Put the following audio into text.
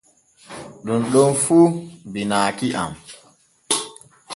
Ɗun ɗon fu binaaki am.